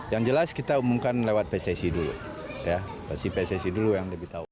yang jelas kita umumkan lewat pcc dulu